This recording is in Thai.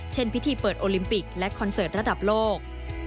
เช่นพิธีเปิดโอลิมปิกและคอนเสิร์ตระดับโลก